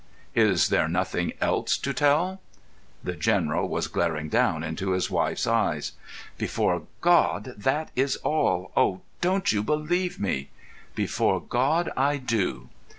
"Is there nothing else to tell?" The General was glaring down into his wife's eyes. "Before God, that is all. Oh, don't you believe me?" "Before God, I do."